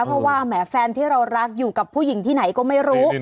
เพราะว่าแหมแฟนที่เรารักอยู่กับผู้หญิงที่ไหนก็ไม่รู้